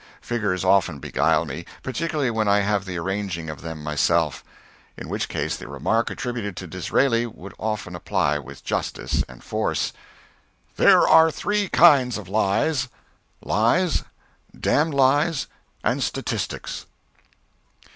Figures often beguile me, particularly when I have the arranging of them myself; in which case the remark attributed to Disraeli would often apply with justice and force: "There are three kinds of lies: lies, damned lies, and statistics."